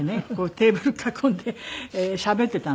テーブル囲んでしゃべっていたの。